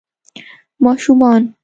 ماشومان